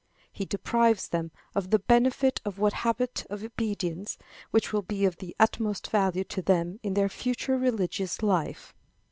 He deprives them of the benefit of that habit of obedience, which will be of the utmost value to them in their future religious life.